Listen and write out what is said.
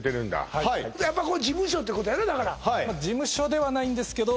はいやっぱこれ事務所ってことやなだから事務所ではないんですけど